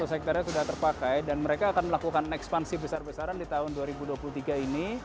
satu hektare sudah terpakai dan mereka akan melakukan ekspansi besar besaran di tahun dua ribu dua puluh tiga ini